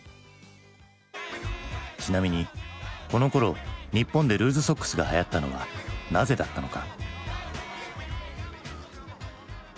ちなみにこのころ日本でルーズソックスがはやったのはなぜだったのか？